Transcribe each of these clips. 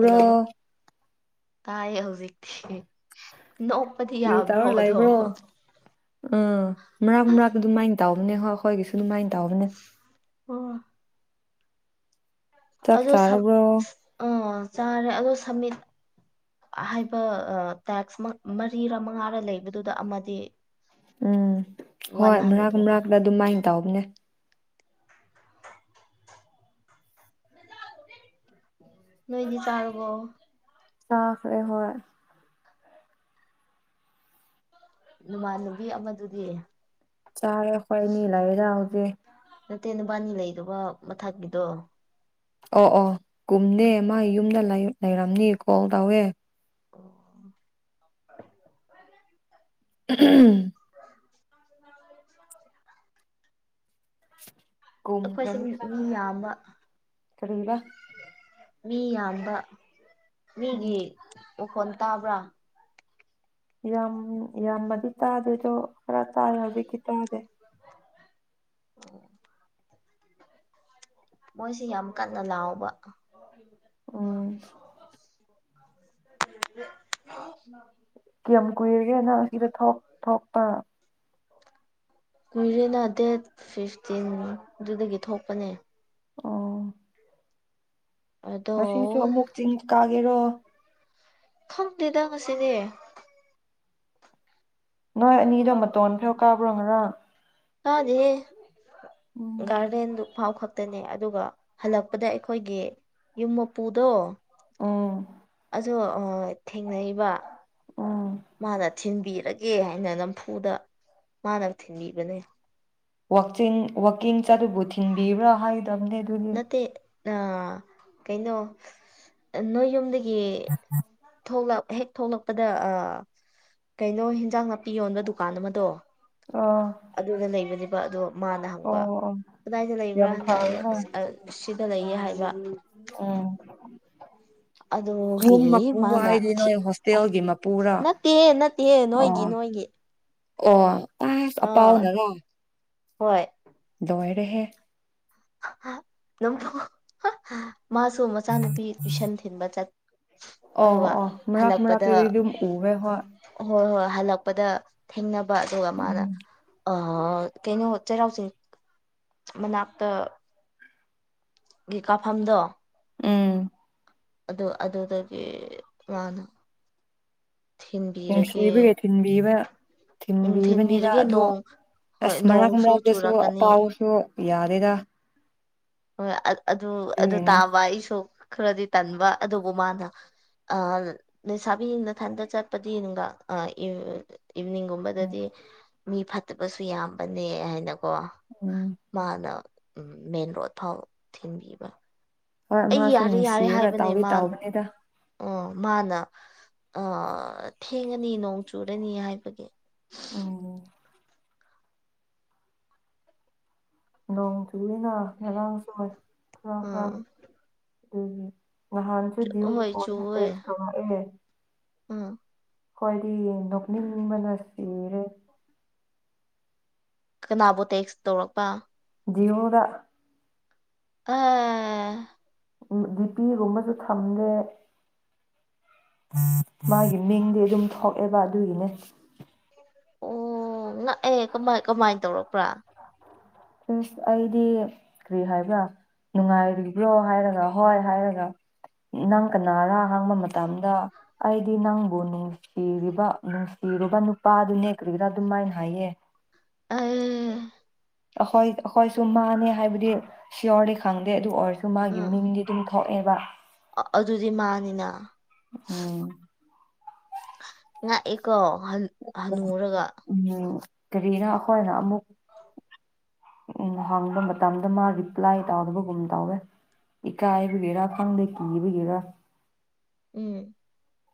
Hello ꯇꯥꯏ ꯍꯧꯖꯤꯛꯇꯤ ꯅꯣꯛꯄꯗꯤ ꯌꯥꯕ꯭ꯔꯣ ꯑꯗꯣ ꯑꯥ ꯃꯔꯛ ꯃꯔꯥꯛ ꯑꯗꯨꯃꯥꯏꯅ ꯇꯧꯕꯅꯦ ꯍꯣꯏ ꯑꯩꯈꯣꯏꯒꯤꯁꯨ ꯑꯗꯨꯃꯥꯏꯅ ꯇꯧꯕꯅꯦ ꯑꯣ ꯆꯥꯛ ꯑꯗꯣ ꯁꯝ ꯆꯥꯔꯕ꯭ꯔꯣ ꯑ ꯆꯥꯔꯦ ꯑꯗꯣ ꯁꯝꯃꯤꯠ ꯍꯥꯏꯕ ꯑ ꯇꯥꯛꯁ ꯃ ꯃꯔꯤꯔ ꯃꯉꯥꯔ ꯂꯩꯕꯗꯨꯗ ꯑꯃꯗꯤ ꯎꯝ ꯋꯥꯟ ꯍꯣꯏ ꯍꯥꯏꯅ ꯃꯔꯛ ꯊꯣꯛꯑꯦ ꯃꯔꯛꯇ ꯑꯗꯨꯃꯥꯏꯅ ꯇꯧꯕꯅꯦ ꯅꯣꯏꯗꯤ ꯆꯥꯔꯕꯣ ꯆꯥꯈꯔꯦ ꯍꯣꯏ ꯅꯃꯥꯟꯅꯕꯤ ꯑꯃꯗꯨꯗꯤ ꯆꯥꯔꯦ ꯑꯈꯣꯏꯅꯤ ꯂꯩꯗ ꯍꯧꯖꯤꯛ ꯅꯠꯇꯦ ꯅꯕꯥꯅꯤ ꯂꯩꯗꯕ ꯃꯊꯛꯀꯤꯗꯣ ꯑꯣ ꯑꯣ ꯀꯨꯝꯅꯦ ꯃꯥ ꯌꯨꯝꯗ ꯂꯩ ꯂꯩꯔꯝꯅꯤ ꯀꯣꯜ ꯇꯧꯋꯦ [unintelligible] ꯑꯩꯈꯣꯏꯁꯦ ꯀꯨꯝꯈ꯭ꯔꯅꯤ ꯃꯤ ꯍꯥꯢꯅꯤꯗ ꯌꯥꯝꯕ ꯀꯔꯤꯕ ꯃꯤ ꯌꯥꯝꯕ ꯎꯝ ꯃꯤꯒꯤ ꯃꯈꯣꯟ ꯇꯥꯕ꯭ꯔꯥ ꯌꯥꯝ ꯌꯥꯝꯃꯗꯤ ꯇꯥꯗꯦ ꯑꯗꯣ ꯈꯔ ꯇꯥꯔꯦ ꯍꯧꯖꯤꯛꯇꯤ ꯇꯨꯝꯈꯦ [unintelligible] ꯃꯣꯏꯁꯤ ꯌꯥꯝ ꯀꯟꯅ ꯂꯥꯎꯕ ꯎꯝ [unintelligible] ꯀꯌꯥꯝ ꯀꯨꯏꯔꯒꯦ ꯅꯪ ꯁꯤꯗ ꯊꯣꯛ ꯊꯣꯛꯄ ꯀꯨꯏꯔꯦꯅ ꯗꯦꯠ ꯐꯤꯐꯇꯤꯟ ꯑꯗꯨꯗꯒꯤ ꯊꯣꯛꯄꯅꯦ ꯑꯣ ꯉꯁꯤꯁꯨ ꯑꯗꯣ ꯑꯃꯨꯛ ꯆꯤꯡ ꯀꯥꯒꯦꯔꯣ ꯈꯪꯇꯦꯗ ꯉꯁꯤꯗꯤ ꯅꯣꯏ ꯑꯅꯤꯗꯣ ꯃꯇꯣꯟ ꯐꯥꯎ ꯀꯥꯕ꯭ꯔꯣ ꯉꯔꯥꯡ ꯀꯥꯗꯦꯍꯦ ꯎꯝ ꯒꯥꯔꯗꯦꯟꯗꯨ ꯐꯥꯎ ꯈꯛꯇꯅꯦ ꯑꯗꯨꯒ ꯍꯜꯂꯛꯄꯗ ꯑꯩꯈꯣꯏꯒꯤ ꯌꯨꯝ ꯃꯄꯨꯗꯣ ꯑꯣ ꯖꯣ ꯑ ꯊꯦꯡꯅꯩꯕ ꯎꯝ ꯃꯥꯅ ꯊꯤꯟꯕꯤꯔꯒꯦ ꯍꯥꯏꯅ ꯅꯝꯐꯨꯗ ꯃꯥꯅ ꯊꯤꯟꯕꯤꯕꯅꯦ ꯋꯥꯛꯆꯤꯡ ꯋꯥꯛꯀꯤꯡ ꯆꯠꯂꯕꯨ ꯊꯤꯡꯕꯤꯕ꯭ꯔꯥ ꯍꯥꯏ ꯅꯠꯇꯦ ꯑ ꯀꯩꯅꯣ ꯅꯣꯏ ꯌꯨꯝꯗ ꯒꯤ ꯊꯣꯛꯂꯞ ꯍꯦꯛ ꯊꯣꯛꯂꯛꯄꯗ ꯑꯥ ꯀꯩꯅꯣ ꯍ‌ꯦꯟꯖꯥꯡ ꯅꯥꯄꯤ ꯌꯣꯟꯕ ꯗꯨꯀꯥꯟ ꯑꯃꯗꯣ ꯑꯥ ꯑꯗꯨꯅ ꯂꯩꯕꯅꯦꯕ ꯑꯗꯣ ꯃꯥꯅ ꯍꯪꯕ ꯑꯣ ꯑꯣ ꯀꯗꯥꯏꯗ ꯌꯥꯝ ꯂꯩꯕ꯭ꯔꯥꯅ ꯑꯩꯅ ꯐꯩꯅ ꯑꯁ ꯑꯥ ꯁꯤꯗ ꯂꯩꯌꯦ ꯍꯥꯏꯕ ꯎꯝ ꯑꯗꯨꯒꯤ ꯌꯨꯝ ꯃꯄꯨ ꯃꯥꯅ ꯍꯥꯏꯗꯤ ꯊꯤ ꯅꯣꯏ ꯍꯣꯁꯇꯦꯜꯒꯤ ꯃꯄꯨꯔꯥ ꯅꯠꯇꯦ ꯅꯠꯇꯦ ꯅꯣꯏꯒꯤ ꯑꯣ ꯅꯣꯏꯒꯤ꯫ [inaudible] ꯑꯣ ꯑꯁ ꯑꯥ ꯑꯄꯥꯎꯅꯔꯣ ꯍꯣꯏ ꯂꯣꯏꯔꯦꯍꯦ! [unintelligible] ꯃꯥꯁꯨ ꯃꯆꯥꯅꯨꯄꯤ ꯇꯨꯏꯁꯟ ꯊꯤꯟꯕ ꯆꯠ ꯑꯣ ꯑꯗꯨꯒ ꯑꯣ ꯃꯔꯛ ꯍꯜꯂꯛꯄꯗ ꯃꯔꯛꯇꯗꯤ ꯑꯗꯨꯝ ꯎꯋꯦ ꯍꯣꯏ ꯍꯣꯏ ꯍꯣꯏ ꯍꯜꯂꯛꯄꯗ ꯊ‌ꯦꯡꯅꯕ ꯑꯗꯨꯒ ꯃꯥꯅ ꯎꯝ ꯑ ꯑ ꯀꯩꯅꯣ ꯆꯩꯔꯥꯎꯆꯤꯡ ꯃꯅꯥꯛꯇ ꯒꯤ ꯀꯥꯐꯝꯗꯣ ꯎꯝ ꯑꯗꯨ ꯑꯗꯨꯗꯒꯤ ꯃꯥꯅ ꯊꯤꯟꯕꯤꯔꯒꯦ ꯅꯨꯡꯁꯤꯕꯒꯤ ꯊꯤꯟꯕꯤꯕ꯫ ꯎꯝ ꯊꯤꯟꯕꯤꯕꯅꯤꯗ ꯊꯤꯟꯕꯤꯔꯒꯦ ꯑꯗꯨ ꯅꯣꯡ ꯍꯣꯏ ꯑꯁ ꯃꯔꯛ ꯅꯣꯡꯁꯨ ꯃꯔꯛꯇꯁꯨ ꯆꯨꯔꯛꯀꯅꯤ ꯄꯥꯎꯁꯨ ꯌꯥꯔꯦꯗ ꯍꯣꯏ ꯑꯗꯨ ꯑꯗꯨ ꯑꯗꯨꯒꯤꯅꯦ ꯇꯥꯕ ꯑꯩꯁꯨ ꯈꯔꯗꯤ ꯇꯟꯕ ꯑꯗꯨꯕꯨ ꯃꯥꯅ ꯑ ꯂꯩꯁꯥꯕꯤ ꯅꯊꯟꯗ ꯆꯠꯄꯗꯤ ꯅꯨꯡꯗꯥꯡ ꯏꯚꯅꯤꯡꯒꯨꯝꯕꯗꯗꯤ ꯃꯤ ꯐꯠꯇꯕꯁꯨ ꯌꯥꯝꯕꯅꯦ ꯍꯥꯏꯅꯀꯣ ꯎꯝ꯫ ꯃꯥꯅ ꯃꯦꯟ ꯔꯣꯠ ꯐꯥꯎ ꯊꯤꯟꯕꯤꯕ ꯍꯣꯏ ꯑꯩ ꯃꯥꯁꯨ ꯌꯥꯔꯦ ꯌꯥꯔꯦ ꯅꯨꯡꯁꯤꯔꯒ ꯍꯥꯏꯕꯅꯦ ꯇꯥꯎꯗꯤ ꯃꯥ ꯇꯥꯎꯕꯅꯤꯗ ꯑꯣ ꯃꯥꯅ ꯑ ꯊꯦꯡꯉꯅꯤ ꯅꯣꯡ ꯆꯨꯔꯅꯤ ꯍꯥꯏꯕꯒꯤ ꯎꯝ꯫ ꯅꯣꯡ ꯆꯨꯏꯅ ꯉꯔꯥꯡꯁꯨ ꯈꯔ ꯑꯥ ꯈꯔ ꯅꯍꯥꯟꯁꯨ ꯗꯌꯨꯠ ꯍꯣꯏ ꯑꫭꯏꯅ ꯇ‌ꯦꯛꯁ ꯊꯥꯔꯛꯑ‌ꯦ ꯃꯥ ꯈꯣꯏꯗꯤ ꯅꯣꯛꯅꯤꯡꯕꯅ ꯁꯤꯔꯦ꯫ ꯀꯅꯥꯕꯨ ꯇꯦꯛꯁ ꯇꯧꯔꯛꯄ? ꯖꯤꯔꫭꯗ ꯑꯥ꯫ ꯗꯤꯄꯤꯒꯨꯝꯕꯁꯨ ꯊꯝꯗꯦ ꯃꯥꯒꯤ ꯃꯤꯡꯗꯤ ꯑꯗꯨꯝ ꯊꯣꯛꯑꯦꯕ ꯑꯗꯨꯒꯤꯅꯦ꯫ ꯎꯝ ꯅꯛꯑꯦ ꯀꯃꯥꯏ ꯀꯃꯥꯏ ꯇꯧꯔꯛꯄ꯭ꯔꯥ? ꯑꯤꯁ ꯑꯩꯗꯤ ꯀꯔꯤ ꯍꯥꯏꯕ꯭ꯔꯥ ꯅꯨꯡꯉꯥꯏꯔꯤꯕ꯭ꯔꯣ ꯍꯥꯏꯔꯒ ꯍꯣꯏ ꯍꯥꯏꯔꯒ ꯅꯪ ꯀꯅꯥꯔ ꯍꯪꯡꯕ ꯃꯇꯝꯗ꯫ ꯑꯩꯗꯤ ꯅꯪꯕꯨ ꯅꯨꯡꯁꯤꯔꯤꯕ ꯅꯨꯡꯁꯤꯔꯨꯕ ꯅꯨꯄꯥꯗꯨꯅꯦ ꯀꯔꯤꯔ ꯑꯗꯨꯃꯥꯏꯅ ꯍꯥꯏꯌꯦ ꯑꯩ ꯑꯈꯣꯏ ꯑꯈꯣꯏꯁꯨ ꯃꯥꯅꯦ ꯍꯥꯏꯕꯗꯤ ꯁꯤꯌꯣꯔꯗꯤ ꯈꯪꯗꯦ ꯑꯗꯨ ꯑꯣꯏꯔꯁꯨ ꯃꯥꯒꯤ ꯃꯤꯡꯗꯤ ꯇꯨꯝꯊꯣꯛꯑꯦꯕ ꯑ ꯑꯗꯨꯗꯤ ꯃꯥꯟꯅꯤꯅ ꯑꯣ ꯉꯛꯏꯀꯣ ꯍꯟ ꯍꯟꯅꯨꯔꯒ ꯎꯝ ꯀꯔꯤꯔꯥ ꯑꯈꯣꯏꯅ ꯑꯃꯨꯛ ꯎꯝ ꯍꯪꯕ ꯃꯇꯝꯗ ꯃꯥꯒꯤ ꯄ꯭ꯂꯥꯏ ꯇꯥꯎꯗꯕꯒꯨꯝ ꯇꯧꯋꯦ ꯏꯀꯥꯏꯕꯒꯤꯔ ꯈꯪꯗ‌ꯦ ꯀꯤꯕꯒꯤꯔ ꯎꯝ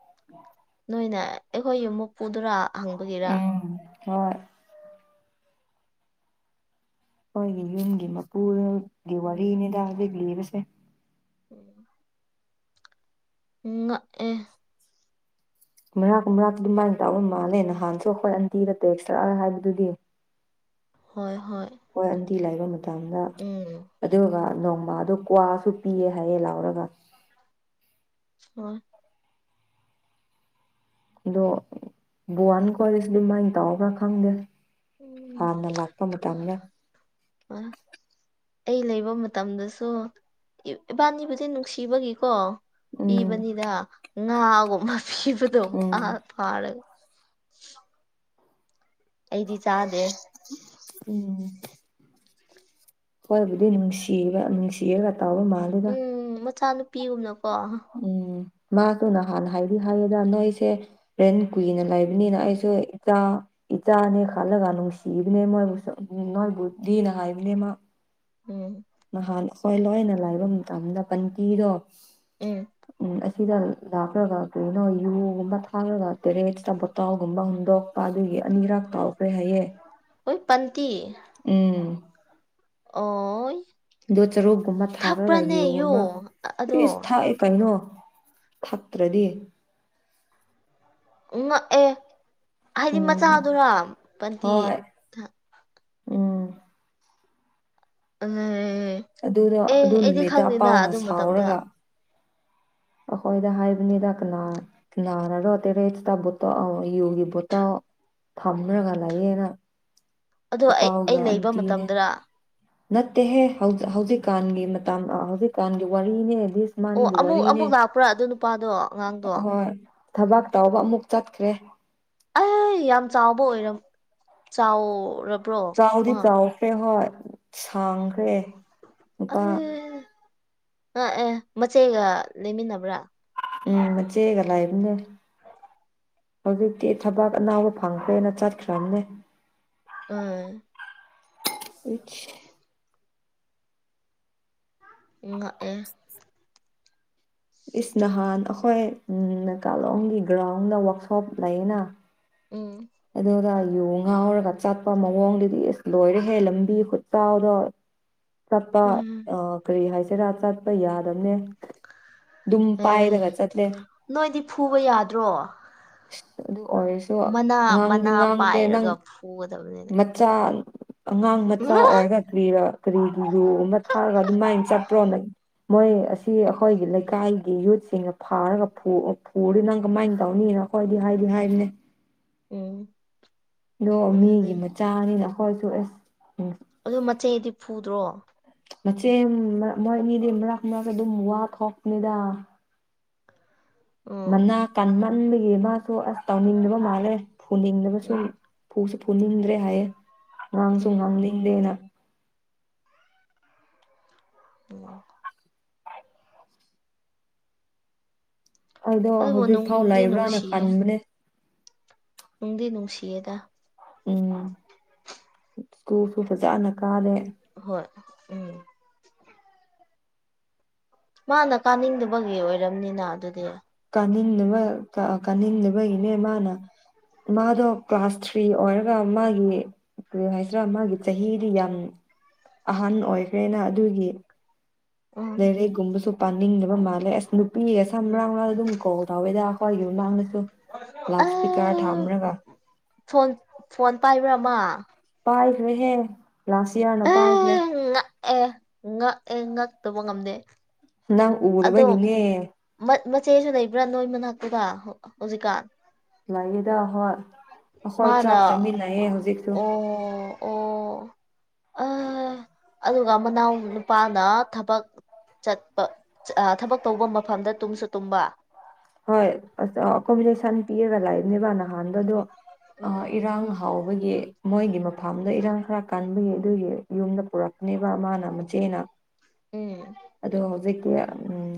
[inaudible] ꯅꯣꯏꯅ ꯑꯩꯈꯣꯏ ꯌꯨꯝ ꯃꯄꯨꯗꯨꯗ ꯍꯪꯕꯒꯤꯔꯥ ꯎꯝ ꯍꯣꯏ ꯈꯣꯏꯒꯤ ꯌꯨꯝꯒꯤ ꯃꯄꯨ [unintelligible] ꯒꯤ ꯎꯝ ꯋꯥꯔꯤꯅꯤꯗ ꯍꯧꯖꯤꯛ ꯂꯤꯕꯁꯦ [inaudible] ꯉꯥꯛꯑꯦ [unintelligible] ꯃꯥꯅ ꯇꯥꯕ ꯃꯥꯜꯂꯦ ꯅꯍꯥꯟꯁꯨ ꯑꯩꯈꯣꯏ ꯑꯟꯇꯤꯗ ꯇꯦꯛ ꯇꯧꯔꯛꯑꯒ ꯍꯥꯏꯕꯗꯨꯗꯤ ꯍꯣꯏ ꯍꯣꯏ ꯈꯣꯏ ꯑꯟꯇꯤ ꯂꯩꯕ ꯃꯇꯝꯗ ꯎꯝ ꯑꯗꯨꯒ ꯅꯣꯡꯃ ꯑꯗꯨ ꯀ꯭ꯋꯥꯁꯨ ꯄꯤꯑꯦ ꯍꯥꯏꯌꯦ ꯂꯥꯎꯔꯒ꯫ ꯑꯣ ꯑꯗꯣ ꯕꯣꯋꯥꯟ ꯈꯣꯏꯗꯁꯨ ꯑꯗꯨꯃꯥꯏꯅ ꯇꯧꯕꯔ ꯈꯪꯗꯦ꯫ ꯎꯝ ꯍꯥꯟꯅ ꯂꯥꯛꯄ ꯃꯇꯝꯗ [unintelligible] ꯑꯩ ꯂꯩꯕ ꯃꯇꯝꯗꯁꯨ ꯏꯕꯥꯅꯤꯕꯨꯗꯤ ꯅꯨꯡꯁꯤꯕꯒꯤꯀꯣ ꯎꯝ ꯄꯤꯕꯅꯤꯗ ꯉꯥꯒꯨꯝꯕ ꯄꯤꯕꯗꯣ ꯎꯝ ꯉꯥ ꯐꯥꯔꯒ ꯑꯩꯗꯤ ꯆꯥꯗꯦ꯫ ꯎꯝ ꯈꯣꯏꯕꯨꯗꯤ ꯅꯨꯡꯁꯤꯕ ꯅꯨꯡꯁꯤꯔꯒ ꯇꯥꯎꯕ ꯃꯥꯜꯂꯦ꯫ ꯎꯝ ꯃꯆꯥꯅꯨꯄꯤꯒꯨꯝꯅꯀꯣ꯫ ꯎꯝ ꯃꯥꯗꯨ ꯅꯍꯥꯟ ꯍꯥꯏꯗꯤ ꯍꯥꯏꯌꯦꯗ ꯅꯣꯏꯁꯦ ꯔꯦꯟ ꯀꯨꯏꯅ ꯂꯩꯕꯅꯤꯅ ꯑꯩꯁꯨ ꯏꯆꯥ ꯏꯆꯥꯅꯦ ꯈꯜꯂꯒ ꯅꯨꯡꯁꯤꯕꯅꯦ ꯃꯣꯏꯕꯨ ꯅꯣꯏꯕꯨꯗꯤꯅ ꯍꯥꯏꯕꯅꯦ ꯃꯥ꯫ ꯎꯝ ꯅꯍꯥꯟ ꯑꯈꯣꯏ ꯂꯣꯏꯅ ꯂꯩꯕ ꯃꯇꯝꯗ ꯕꯟꯇꯤꯗꯣ ꯎꯝ ꯎꯝ ꯑꯁꯤꯗ ꯂꯥꯛꯔꯒ ꯀꯔꯤꯅꯣ ꯌꯨꯒꯨꯝꯕ ꯊꯥꯛꯔꯒ ꯇꯣꯏꯂꯦꯠꯁꯇ ꯕꯣꯇꯜꯒꯨꯝꯕ ꯍꯨꯟꯗꯣꯛꯄ ꯑꯗꯨꯒꯤ ꯑꯅꯤꯔꯛ ꯇꯧꯈ꯭ꯔꯦ ꯍꯥꯏꯌꯦ ꯫ ꯎꯏ ꯄꯟꯇꯤ ꯎꯝ ꯑꯣꯢ ꯑꯗꯨ ꯆꯔꯨꯞꯀꯨꯝꯕ ꯊꯥꯛꯔꯒ ꯌꯨꯒꯨꯝꯕ ꯑꯗꯣ ꯏꯁ ꯊꯥꯛꯑꯦ ꯀꯩꯅꯣ꯫ ꯊꯛꯇ꯭ꯔꯗꯤ ꯎꯝ ꯉꯛꯑꯦ ꯍꯥꯏꯗꯤ ꯎꯝ ꯃꯆꯥꯗꯨꯔ ꯄꯟꯇꯤ ꯍꯣꯏ ꯎꯝ ꯑꯦ ꯑꯗꯨꯗꯣ ꯑꯗꯨ ꯑꯩꯗꯤ ꯅꯨꯃꯤꯠꯇ ꯈꯪꯗꯦꯅ ꯑꯄꯥꯎꯅ ꯑꯗꯨ ꯃꯇꯝꯗ꯫ ꯑꯈꯣꯏꯗ ꯍꯥꯏꯕꯅꯤꯗ ꯀꯅꯥ ꯀꯅꯥꯅꯔꯣ ꯇꯣꯏꯂꯦꯠꯁ ꯇꯥ ꯕꯣꯇꯜ ꯑꯧ ꯌꯨꯒꯤ ꯕꯣꯇꯜ ꯊꯝꯔꯒ ꯂꯩꯌꯦꯅ ꯑꯗꯣ ꯑꯩ ꯑꯇꯥꯎꯒ ꯑꯩ ꯂꯩꯕ ꯑꯟꯇꯤꯅꯦ ꯃꯇꯝꯗꯔ ꯅꯠꯇꯦꯍꯦ ꯍꯧꯖꯤꯛ ꯍꯧꯖꯤꯛꯀꯥꯟꯒꯤ ꯃꯇꯝ ꯍꯧꯖꯤꯛꯀꯥꯟꯒꯤ ꯋꯥꯔꯤꯅꯦ ꯗꯤꯁ ꯑꯣ ꯃꯟꯒꯤ ꯑꯃꯨꯛ ꯋꯥꯔꯤꯅꯦ ꯑꯃꯨꯛ ꯂꯥꯛꯄ꯭ꯔꯥ ꯑꯗꯨ ꯅꯨꯄꯥꯗꯣ ꯑꯉꯥꯡꯗꯣ ꯍꯣꯏ ꯊꯕꯛ ꯇꯧꯕ ꯑꯃꯨꯛ ꯆꯠꯈ꯭ꯔꯦ‌꯫ ꯑꯩ ꯌꯥꯝ ꯆꯥꯎꯕ ꯑꯣꯏꯔꯝ ꯆꯥꯎꯔ ꯆꯥꯎꯗꯤ ꯆꯥꯎꯈ꯭ꯔꯦ ꯍꯣꯏ ꯁꯥꯡꯈ꯭ꯔꯦ꯫ ꯑ ꯅꯨꯄꯥ ꯑꯦ ꯉꯛꯑꯦ ꯃꯆꯦꯒ ꯂꯩꯃꯤꯟꯅꯕ꯭ꯔꯥ? ꯎꯝ ꯃꯆꯦꯒ ꯂꯩꯕꯅꯦ꯫ ꯍꯧꯖꯤꯛꯇꯤ ꯊꯕꯛ ꯑꯅꯥꯎꯕ ꯐꯪꯈ꯭ꯔꯦꯅ ꯆꯠꯈ꯭ꯔꯕꯅꯦ꯫ ꯑꯥꯏ [unintelligible] ꯉꯛꯑꯦ ꯏꯁ ꯅꯍꯥꯟ ꯑꯈꯣꯏ ꯅꯀꯥꯂꯣꯝꯒꯤ ꯒ꯭ꯔꯥꯎꯟꯗ ꯋꯥꯛꯁꯣꯞ ꯂꯩꯅ ꯎꯝ ꯑꯗꯨꯗ ꯌꯨ ꯉꯥꯎꯔꯒ ꯆꯠꯄ ꯃꯑꯣꯡꯗꯨꯗꯤ ꯏꯁ ꯂꯣꯏꯔꯦꯍꯦ ꯂꯝꯕꯤ ꯈꯨꯠꯆꯥꯎꯗꯣ [unintelligible] ꯆꯠꯄ ꯎꯝ ꯑꯥ ꯀꯔꯤ ꯍꯥꯏꯁꯤꯔꯥ ꯆꯠꯄ ꯌꯥꯗꯕꯅꯦ ꯗꯨꯝ ꯑꯦ ꯄꯥꯏꯔꯒꯆꯠ ꯆꯠꯂꯦ ꯅꯣꯏꯗꯤ ꯐꯨꯕ ꯌꯥꯗ꯭ꯔꯣ [unintelligible] ꯃꯅꯥ ꯉꯥꯡꯗꯤ ꯃꯅꯥ ꯉꯥꯡꯗꯦ ꯅꯪ ꯄꯥꯏꯔꯒ ꯐꯨꯒꯗꯕꯅꯤꯅꯦ ꯃꯆꯥ ꯑꯉꯥꯡ ꯃꯆꯥ ꯑꯣꯏꯔꯒ ꯀꯔꯤꯔ ꯀꯔꯤꯒꯤ ꯌꯨ ꯑꯃ ꯊꯥꯛꯑꯒ ꯑꯗꯨ ꯃꯥꯏꯅ ꯆꯠꯄ꯭ꯔꯣꯅ ꯃꯣꯏ ꯑꯁꯤ ꯑꯩꯈꯣꯏꯒꯤ ꯂꯩꯀꯥꯏꯒꯤ ꯌꯨꯠꯁꯤꯡꯅ ꯐꯥꯔꯒ ꯐꯨꯔꯗꯤ ꯅꯪ ꯀꯃꯥꯏꯅ ꯇꯧꯅꯤ ꯅꯪ ꯈꯣꯢꯗꯤ ꯍꯥꯏꯗꯤ ꯍꯥꯏꯕꯅꯦ ꯎꯝ ꯑꯗꯣ ꯑꯗꯨꯅꯦ ꯃꯤꯒꯤ ꯃꯆꯥꯅꯤꯅ ꯑꯩꯈꯣꯏꯁꯨ ꯑꯦꯁ ꯎꯝ ꯑꯗꯨ ꯃꯆꯦꯗꯤ ꯐꯨꯗ꯭ꯔꯣ ꯃꯆꯦ ꯃꯔꯛ ꯃꯣꯏ ꯑꯅꯤꯗꯤ ꯃꯔꯛ ꯃꯔꯛꯇ ꯑꯗꯨꯝ ꯋꯥ ꯊꯣꯛꯄꯅꯤꯗ ꯎꯝ ꯃꯅꯥ ꯀꯟꯃꯟꯕꯒꯤ ꯃꯥꯁꯨ ꯑꯁ ꯇꯧꯅꯤꯡꯗꯕ ꯃꯥꯜꯂꯦ ꯐꯨꯅꯤꯡꯗꯕꯁꯨ ꯎꯝ ꯐꯨꯁꯨ ꯐꯨꯅꯤꯡꯗ꯭ꯔꯦ ꯍꯥꯏꯌꯦ ꯉꯥꯡꯁꯨ ꯎꯝ ꯉꯥꯡꯅꯤꯡꯗꯦꯅ ꯎꯝ ꯑꯗꯣ ꯑꯗꯨꯕꯨ ꯍꯧꯖꯤꯛ ꯐꯥꯎ ꯅꯨꯡꯗꯤ ꯂꯩꯕ꯭ꯔꯥꯅ ꯅꯨꯡꯁꯤꯌꯦ ꯈꯟꯕꯅꯦ ꯅꯨꯡꯗꯤ ꯅꯨꯡꯁꯤꯌꯦꯗ ꯎꯝ ꯁ꯭ꯀꯨꯜꯁꯨ ꯐꯖꯅ ꯀꯥꯔꯦ ꯍꯣꯏ ꯎꯝ ꯃꯥꯅ ꯀꯥꯅꯤꯡꯗꯕꯒꯤ ꯑꯣꯏꯔꯝꯅꯤꯅ ꯑꯗꯨꯗꯤ ꯀꯥꯅꯤꯡꯕ ꯀꯥꯅꯤꯡꯗꯕꯒꯤꯅꯦ ꯃꯥꯅ ꯃꯥꯗꯣ ꯀ꯭ꯂꯥꯁ ꯊ꯭ꯔꯤ ꯑꯣꯏꯔꯒ ꯃꯥꯒꯤ ꯀꯔꯤ ꯍꯥꯏꯁꯤꯔꯥ ꯃꯥꯒꯤ ꯆꯍꯤꯗꯤ ꯌꯥꯝ ꯑꯍꯟ ꯑꯣꯏꯈ꯭ꯔꯦꯅ ꯑꯗꯨꯒꯤ ꯎꯝ ꯂꯥꯢꯔꯤꯛꯒꯨꯝꯕꯁꯨ ꯄꯥꯅꯤꯡꯗꯕ ꯃꯥꯜꯂꯦ ꯑꯁ ꯅꯨꯄꯤ ꯑꯁ ꯃꯔꯥꯛ ꯃꯔꯥꯛ ꯑꯗꯨꯝ ꯀꯣꯜ ꯇꯧꯋꯦꯗ ꯈꯣꯏꯒꯤ ꯃꯃꯥꯡꯗꯁꯨ ꯂꯥꯎꯠ ꯁꯄꯤꯀꯔ ꯑꯩ ꯊꯥꯝꯔꯒ ꯐꯣꯟ ꯐꯣꯟ ꯄꯥꯏꯕ꯭ꯔꯥ ꯃꯥ ꯄꯥꯏꯈ꯭ꯔꯦꯍꯦ ꯂꯥꯁꯤꯌꯥꯅ ꯄꯥꯏꯈ꯭ꯔꯦ ꯉꯛꯑꯦ ꯑꯦ ꯉꯛꯑꯦ ꯉꯛꯇꯕ ꯉꯝꯗꯦ ꯅꯪ ꯑꯗꯣ ꯎꯗꯕꯒꯤꯅꯦ ꯃꯆꯦꯁꯨ ꯂꯩꯕ꯭ꯔꯥ ꯅꯣꯏ ꯃꯅꯥꯛꯇꯨꯗ ꯍꯧꯖꯤꯛꯀꯥꯟ ꯂꯩꯌꯦꯗ ꯍꯣꯏ ꯑꯩꯈꯣꯏ ꯃꯥꯅ ꯆꯥꯛ ꯆꯥꯃꯤꯟꯅꯩꯌꯦ ꯍꯧꯖꯤꯛꯁꯨ ꯑꯣ ꯑꯣ ꯑ ꯑꯗꯨꯒ ꯃꯅꯥꯎ ꯅꯨꯄꯥꯅ ꯊꯕꯛ ꯆꯠꯄ ꯊꯕꯛ ꯇꯧꯕ ꯃꯐꯝꯗ ꯇꯨꯝꯁꯨ ꯇꯨꯝꯕ ꯍꯣꯏ ꯑꯁ ꯑꯀꯣꯃꯤꯗꯦꯁꯟ ꯄꯤꯔꯒ ꯂꯩꯕꯅꯦꯕ ꯅꯍꯥꯟꯗꯗꯣ ꯎꯝ ꯏꯔꯥꯡ ꯍꯥꯎꯕꯒꯤ ꯃꯣꯏꯒꯤ ꯃꯐꯝꯗ ꯏꯔꯥꯡ ꯈꯔ ꯀꯟꯕꯒꯤ ꯑꯗꯨꯒꯤ ꯌꯨꯝꯗ ꯄꯨꯔꯛ ꯅꯦꯕ ꯃꯥꯅ ꯃꯆꯦꯅ ꯎꯝ ꯑꯗꯣ ꯍꯧꯖꯤꯛꯇꯤ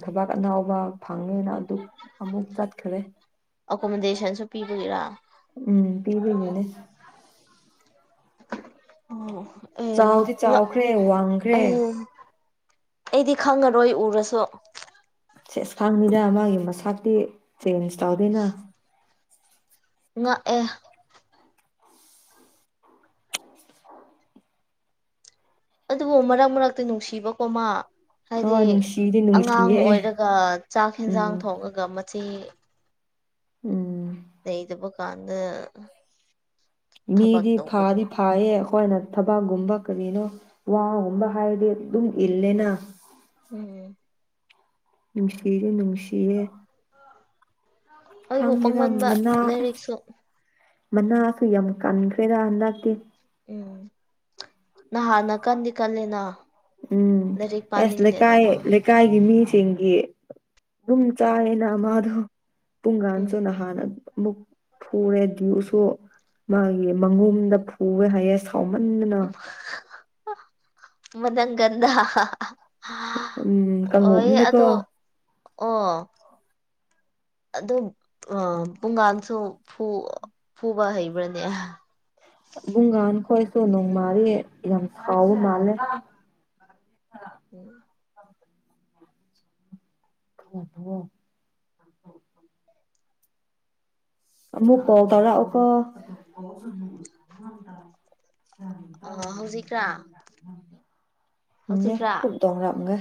ꯊꯕꯥꯛ ꯑꯅꯥꯎꯕ ꯐꯪꯉꯦꯅ ꯑꯗꯨ ꯑꯃꯨꯛ ꯆꯠꯈꯔꯦ ꯑꯦꯀꯣꯃꯣꯗꯦꯁꯟꯁꯨ ꯄꯤꯕꯒꯤꯔꯥ ꯎꯝ ꯄꯤꯕꯒꯤꯅꯦ [unintelligible] ꯑꯣ ꯆꯥꯎꯗꯤ ꯑꯦ ꯆꯥꯎꯈ꯭ꯔꯦ ꯋꯥꯡꯈ꯭ꯔꯦ ꯑꯩ ꯑꯩꯗꯤ ꯈꯪꯉꯔꯣꯏ ꯎꯔꯁꯨ ꯁꯦꯁ ꯈꯥꯡꯅꯤꯗ ꯃꯥꯒꯤ ꯃꯁꯇꯤ ꯆꯦꯟꯖ ꯇꯧꯗꯦꯅ ꯉꯥꯛꯑꯦ ꯑꯗꯨꯕꯨ ꯃꯔꯛ ꯃꯔꯛꯇ ꯅꯨꯡꯁꯤꯕꯀꯣ ꯃꯥ ꯍꯥꯏꯗꯤ ꯍꯣꯏ ꯅꯨꯡꯁꯤꯗꯤ ꯑꯉꯥꯡ ꯅꯨꯡꯁꯤꯌꯦ ꯑꯣꯏꯔꯒ ꯆꯥꯛ ꯌꯦꯟꯁꯥꯡ ꯎꯝ ꯊꯣꯡꯉꯒ ꯃꯆꯦ ꯎꯝ ꯂꯩꯇꯕꯒꯥꯟꯗ ꯃꯤꯗꯤ ꯐꯗꯤ ꯐꯥꯌꯦ ꯑꯩꯈꯣꯏꯅ ꯊꯕꯛꯒꯨꯝꯕ ꯀꯔꯤꯅꯣ ꯋꯥꯒꯨꯝꯕ ꯍꯥꯏꯔꯗꯤ ꯑꯗꯨꯝ ꯏꯜꯂꯦꯅꯥ ꯎꯝ ꯅꯨꯡꯁꯤꯔ‌ꯦ ꯅꯨꯡꯁꯤꯌꯦ ꯑꯗꯨꯕꯨ ꯈꯪꯗꯦꯗ ꯄꯪꯃꯟꯕ ꯃꯅꯥ ꯂꯥꯏꯔꯤꯛꯁꯨ ꯃꯅꯥꯁꯨ ꯌꯥꯝ ꯀꯪꯈ꯭ꯔꯦꯗꯥ ꯍꯥꯟꯗꯛꯇꯤ ꯎꯝ ꯅꯍꯥꯟꯅ ꯀꯟꯗꯤ ꯀꯜꯂ‌ꯦꯅꯥ ꯎꯝ ꯑꯁ ꯂꯩꯀꯥꯏ‌ ꯃꯥ ꯂꯩ ꯀꯥꯏꯒꯤ ꯃꯤꯁꯤꯡꯒꯤ ꯑꯗꯨꯝ ꯆꯥꯏꯌꯦꯅꯥ ꯃꯥꯗꯣ ꯎꯝ ꯄꯨꯡꯒꯥꯥꯟꯆꯣ ꯅꯍꯥꯟ ꯑꯃꯨꯛ ꯐꯨꯔꯦ ꯗꯨꯁꯨ ꯃꯥꯒꯤ [unintelligible] ꯐꯨꯋ‌ꯦ ꯍꯥꯏꯌꯦ ꯁ [unintelligible] ꯃꯅꯪꯒꯟꯗꯥ ꯍꯥ ꯎꯝ ꯑꯣꯏ ꯀꯥꯡꯉꯣꯝꯗꯀꯣ ꯑꯗꯣ ꯑꯣ ꯑꯗꯨ ꯑ ꯄꯨꯡꯒꯥꯟꯁꯨ ꯐꯨ ꯐꯨꯕ ꯍꯩꯕ꯭ꯔꯅꯦ ꯕꯨꯡꯒꯥꯥꯟ ꯈꯣꯏꯁꯨ ꯅꯣꯡꯃꯥꯗꯤ ꯌꯥꯝ ꯁꯥꯎꯕ ꯃꯥꯜꯂꯦ ꯎꯝ [unintelligible] ꯑꯃꯨꯛ ꯀꯣꯜ ꯇꯧꯔꯥꯎꯀꯣ ꯍꯧꯖꯤꯛꯔꯥ ꯍꯧꯖꯤꯛꯔꯥ [unintelligible] ꯕꯨꯛ ꯇꯧꯔꯝꯒꯦ